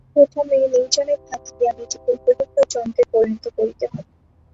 প্রথমে নির্জনে থাকিয়া নিজেকে উপযুক্ত যন্ত্রে পরিণত করিতে হইবে।